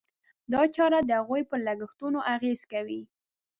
دا چاره د هغوی پر لګښتونو اغېز کوي.